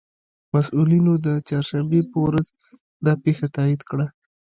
مسئولینو د چهارشنبې په ورځ دا پېښه تائید کړه